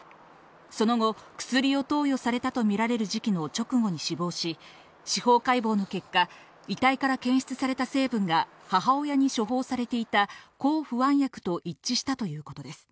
その後、薬を投与されたとみられる時期の直後に死亡し、司法解剖の結果、遺体から検出された成分が母親に処方されていた抗不安薬と一致したということです。